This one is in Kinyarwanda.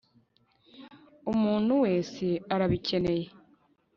umuntu wese arabikeneye